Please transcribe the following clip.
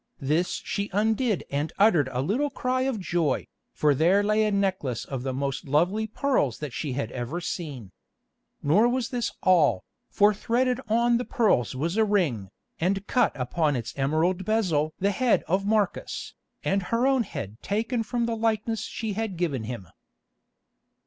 This she undid and uttered a little cry of joy, for there lay a necklace of the most lovely pearls that she had ever seen. Nor was this all, for threaded on the pearls was a ring, and cut upon its emerald bezel the head of Marcus, and her own head taken from the likeness she had given him.